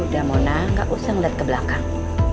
udah mona gak usah ngeliat ke belakang